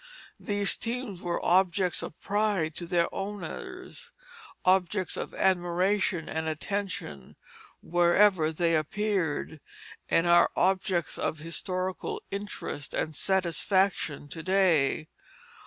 These teams were objects of pride to their owners, objects of admiration and attention wherever they appeared, and are objects of historical interest and satisfaction to day.